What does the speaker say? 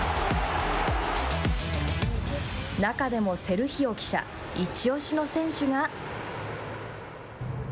中でもセルヒオ記者一押しの選手が。